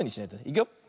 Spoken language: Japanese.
いくよ。